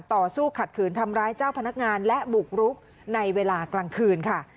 ต่อสู้ขัดขืนทำร้ายเจ้าพนักงานและบุกรุกในเวลากลางคืนค่ะ